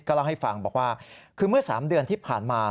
เล่าให้ฟังบอกว่าคือเมื่อ๓เดือนที่ผ่านมา